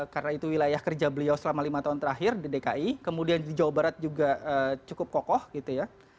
karena itu wilayah kerja beliau selama lima tahun terakhir di dki kemudian di jawa barat juga cukup kokoh gitu ya